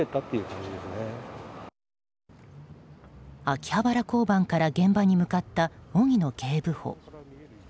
秋葉原交番から現場に向かった荻野警部補。